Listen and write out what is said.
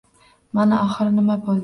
Mana, oxiri nima bo‘ldi...